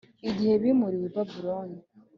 igihe bimuriwe i Babuloni.